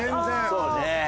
そうね。